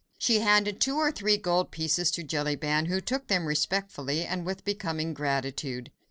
She handed two or three gold pieces to Jellyband, who took them respectfully, and with becoming gratitude.